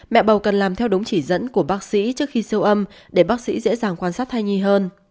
mẹ bầu cần làm theo đúng chỉ dẫn của bác sĩ trước khi siêu âm để bác sĩ dễ dàng quan sát thai nhi hơn